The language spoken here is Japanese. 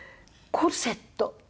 コルセット。